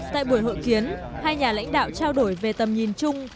tại buổi hội kiến hai nhà lãnh đạo trao đổi về tầm nhìn chung